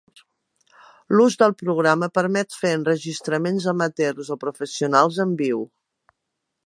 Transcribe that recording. L'ús del programa permet fer enregistraments amateurs o professionals en viu.